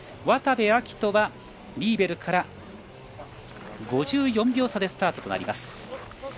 渡部暁斗はリーベルから５４秒差でスタートとなります。